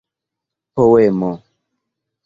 poemo